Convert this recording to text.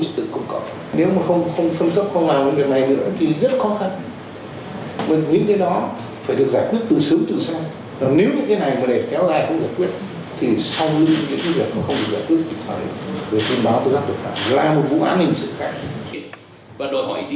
thì tin báo tố giác tội phạm là một vụ an ninh sự khác